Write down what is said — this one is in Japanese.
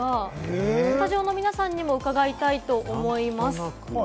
スタジオの皆さんにも伺いたいと思います。